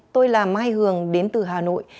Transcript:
tôi là mai hường đến từ hà nội